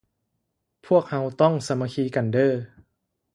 ພວກເຮົາຕ້ອງສາມັກຄີກັນເດີ້